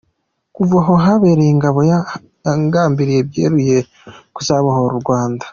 Kuva aho yabereye ingabo yagambiriye byeruye kuzabohora u Rwanda.